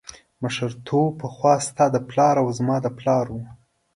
مشرتوب پخوا ستا د پلار او زما د پلار و.